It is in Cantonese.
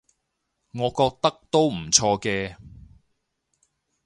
我覺得都唔錯嘅